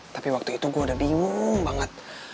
tapi waktu itu gue udah bingung banget